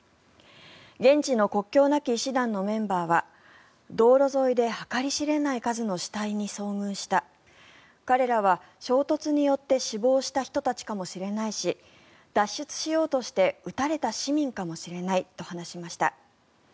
現地の国境なき医師団のメンバーは道路沿いで計り知れない数の死体に遭遇した彼らは衝突によって死亡した人たちかもしれないし脱出しようとして撃たれた市民かもしれないと話しました。